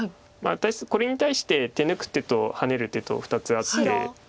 これに対して手抜く手とハネる手と２つあって。